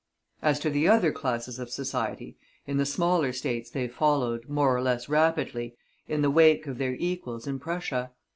As to the other classes of society, in the smaller States they followed, more or less rapidly, in the wake of their equals in Prussia.